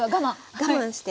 我慢して。